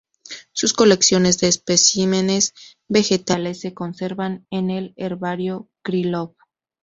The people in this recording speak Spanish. Sus colecciones de especímenes vegetales se conservan en el Herbario Krylov.